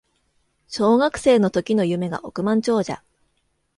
小学生の時の夢が億万長者